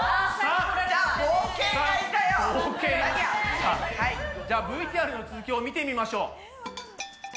さあじゃあＶＴＲの続きを見てみましょう。